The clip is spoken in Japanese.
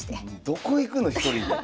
どこ行くの１人で。